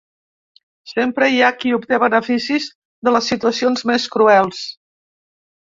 Sempre hi ha qui obté beneficis de les situacions més cruels.